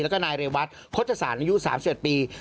แล้วก็นายเรวัตรโฆษฎศาสตร์นายุ๓๗ปี